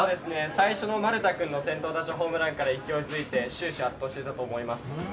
最初の丸田君の先頭打者ホームランから勢いづいて終始圧倒していたと思います。